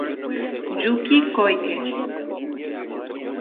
Yuki Koike